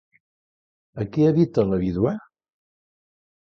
A qui evita la vídua?